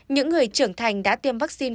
những người trưởng thành đã tiêm vaccine